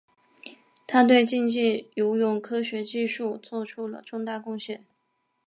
他对竞技游泳科学技术做出了重大贡献。